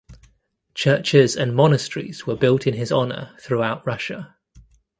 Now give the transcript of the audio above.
Churches and monasteries were built in his honor throughout Russia.